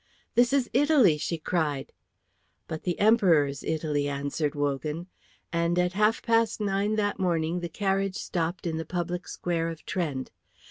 "This is Italy," she cried. "But the Emperor's Italy," answered Wogan; and at half past nine that morning the carriage stopped in the public square of Trent.